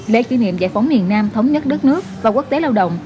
lễ kỷ niệm giải phóng miền nam thống nhất đất nước và quốc tế lao động